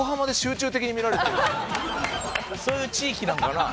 そういう地域なんかな？